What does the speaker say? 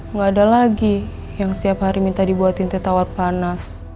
nggak ada lagi yang setiap hari minta dibuatin teh tawar panas